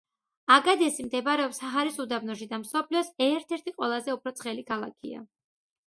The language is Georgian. აგადესი მდებარეობს საჰარის უდაბნოში და მსოფლიოს ერთ-ერთი ყველაზე უფრო ცხელი ქალაქია.